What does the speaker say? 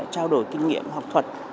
trao đổi kinh nghiệm học thuật